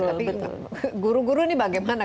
tapi guru guru ini bagaimana